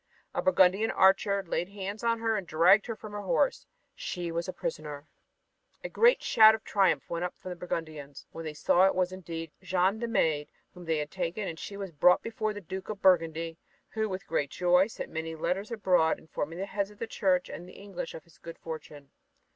A Burgundian archer laid hands on her and dragged her from her horse. She was a prisoner. A great shout of triumph went up from the Burgundians when they saw that it was indeed Jeanne the Maid whom they had taken, and she was brought before the Duke of Burgundy, who, with great joy, sent many letters abroad informing the heads of the Church and the English of his good fortune.